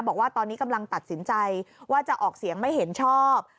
บอกว่าตอนนี้กำลังตัดสินใจว่าจะออกเสียงไม่เห็นชอบ